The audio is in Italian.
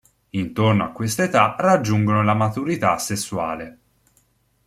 Intorno a questa età raggiungono la maturità sessuale.